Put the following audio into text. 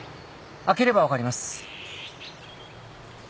開ければ分かります。